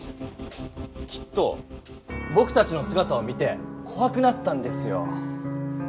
きっとぼくたちのすがたを見てこわくなったんですよ。